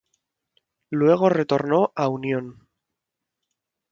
Luego retornó a Unión.